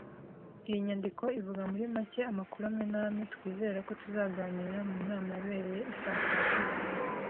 Iyi nyandiko ivuga muri make amakuru amwe n'amwe twizera ko tuzaganira mu nama yabereye i San Francisco.